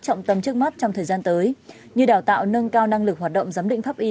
trọng tâm trước mắt trong thời gian tới như đào tạo nâng cao năng lực hoạt động giám định pháp y